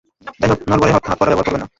যাই হোক, নড়বড়ে হাতকড়া ব্যবহার করবেন না।